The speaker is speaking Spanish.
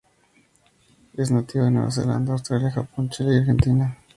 Es nativa de Nueva Zelanda, Australia, Japón, Chile y Argentina.